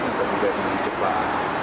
atau juga di jepang